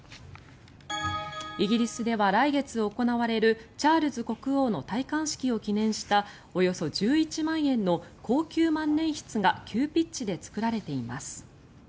イギリスでは来月行われるチャールズ国王の戴冠式を記念したおよそ１１万円の高級万年筆が急ピッチで作られています。